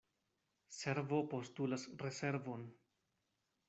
Servo postulas reservon.